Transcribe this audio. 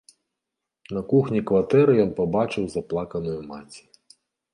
На кухні кватэры ён пабачыў заплаканую маці.